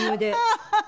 ハハハ！